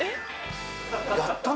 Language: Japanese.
やったね。